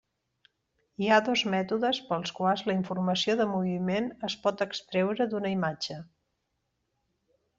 Hi ha dos mètodes pels quals la informació de moviment es pot extreure d'una imatge.